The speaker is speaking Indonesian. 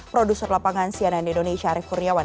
produser lapangan cnn indonesia arief kurniawan